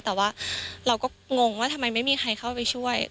แต่ว่าเราก็งงว่าทำไมไม่มีใครเข้าไปช่วย